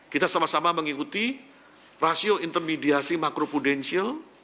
kita sama sama mengikuti rasio intermediasi makro prudensial